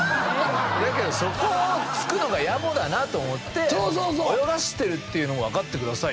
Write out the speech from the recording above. だけどそこをつくのが野暮だなと思って泳がしてるの分かってください。